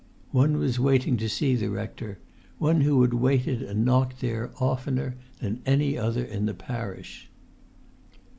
One was waiting to see the rector, one who had waited and knocked there oftener than any other in the parish.